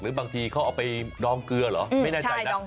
บางทีเขาเอาไปดองเกลือเหรอไม่แน่ใจนะ